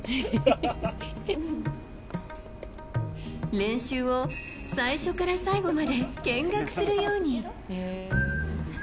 練習を、最初から最後まで見学するように。